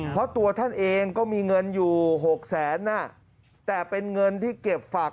เพราะตัวท่านเองก็มีเงินอยู่๖๐๐๐๐๐บาท